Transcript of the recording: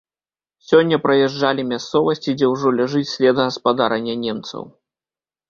Сёння праязджалі мясцовасці, дзе ўжо ляжыць след гаспадарання немцаў.